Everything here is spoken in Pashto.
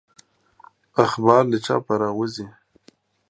اخبار له چاپه راووزي.